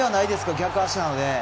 逆足なので。